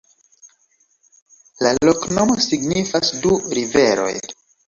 La loknomo signifas: du riveroj.